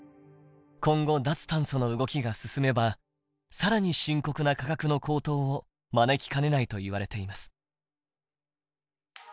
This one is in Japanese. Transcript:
今後脱炭素の動きが進めば更に深刻な価格の高騰を招きかねないといわれています。